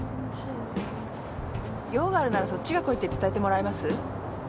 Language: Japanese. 「用があるならそっちが来い」って伝えてもらえます？